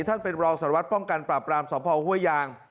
ท่านเป็นรองสารวัตรป้องกันปราบรามสพห้วยยาง